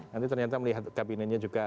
nanti ternyata melihat kabinetnya juga